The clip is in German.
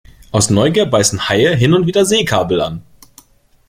Aus Neugier beißen Haie hin und wieder Seekabel an.